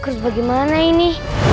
terus bagaimana ini